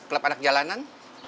kelab anak jalanan